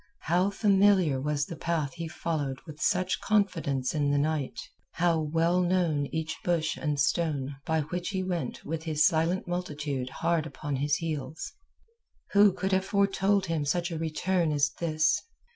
How familiar was the path he followed with such confidence in the night; how well known each bush and stone by which he went with his silent multitude hard upon his heels. Who could have foretold him such a return as this.